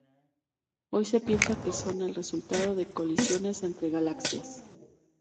Hoy se piensa que son el resultado de colisiones entre galaxias.